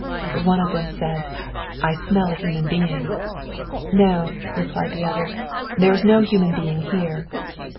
One of them said, "I smell a human being." "No," replied the other, "there is no human being here."